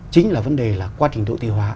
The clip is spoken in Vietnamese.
chính là vấn đề là quá trình độ tự hóa